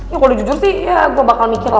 ya kalo jujur sih ya gua bakal mikir lah